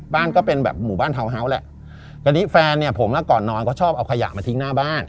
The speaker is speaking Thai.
ก็เป็นแบบหมู่บ้านทาวน์เฮาส์แหละตอนนี้แฟนเนี่ยผมอ่ะก่อนนอนก็ชอบเอาขยะมาทิ้งหน้าบ้าน